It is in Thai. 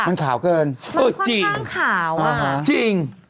มันมีถุง